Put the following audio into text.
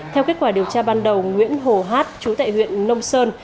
theo kết quả điều tra ban đầu nguyễn hồ hát chú tại huyện nông sơn